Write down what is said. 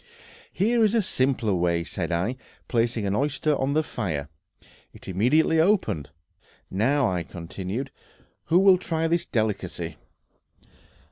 "Here is a simpler way," said I, placing an oyster on the fire; it immediately opened. "Now," I continued, "who will try this delicacy?"